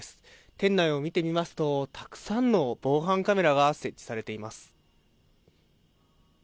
店内を見てみますと、たくさんの防犯カメラが設置されています。